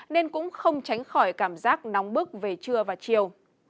nên cũng không tránh khỏi cảm giác nóng bức về trưa và chiều